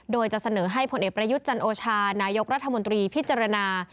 โดยจะเสนอให้ผลเอกประยุทธ์จันโอชานายกรัฐมนตรีพิจารณา